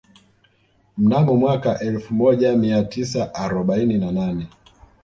Mnamo mwaka elfu moja mia tisa arobaini na nane